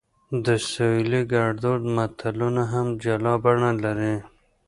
د سویلي ګړدود متلونه هم جلا بڼه لري